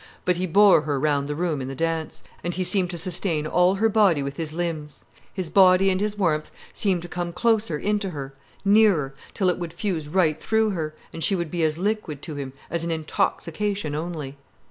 But he bore her round the room in the dance, and he seemed to sustain all her body with his limbs, his body, and his warmth seemed to come closer into her, nearer, till it would fuse right through her, and she would be as liquid to him, as an intoxication only.